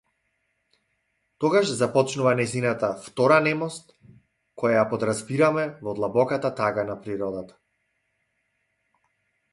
Тогаш започнува нејзината втора немост, која ја подразбираме во длабоката тага на природата.